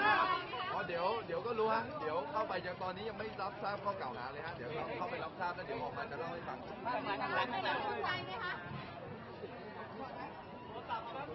เพราะเดี๋ยวก็รู้ว่าเดี๋ยวเข้าไปยังตอนนี้ยังไม่รับทราบข้อเก่าหาเลยฮะเดี๋ยวเราเข้าไปรับทราบแล้วเดี๋ยวออกมาจะเล่าให้ฟัง